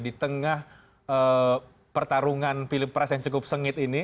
di tengah pertarungan pilpres yang cukup sengit ini